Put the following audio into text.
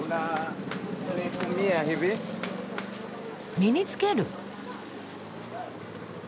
身につける。